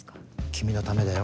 君のためだよ。